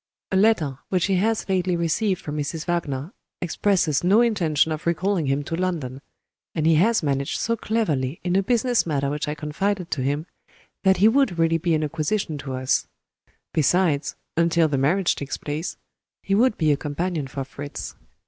A letter which he has lately received from Mrs. Wagner expresses no intention of recalling him to London and he has managed so cleverly in a business matter which I confided to him, that he would really be an acquisition to us. Besides (until the marriage takes place), he would be a companion for Fritz."